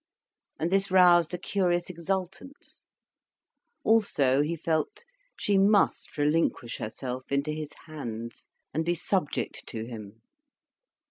And this roused a curious exultance. Also he felt, she must relinquish herself into his hands, and be subject to him.